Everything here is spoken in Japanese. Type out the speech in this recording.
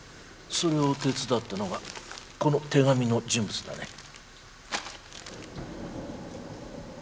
それを手伝ったのがこの手紙の人物だね。